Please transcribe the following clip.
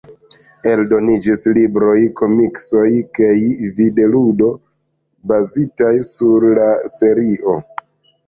Eldoniĝis libroj, komiksoj, kaj vide-ludo bazitaj sur la serio.